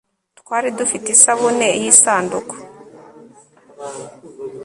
Twari dufite Isabune yisanduku